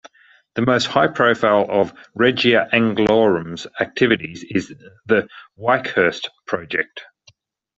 The most high-profile of Regia Anglorum's activities is the Wychurst Project.